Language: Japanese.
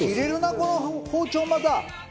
この包丁また。